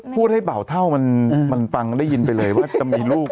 พูดให้เบาเท่ามันฟังได้ยินไปเลยว่าจะมีลูก